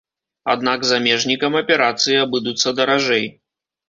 Аднак замежнікам аперацыі абыдуцца даражэй.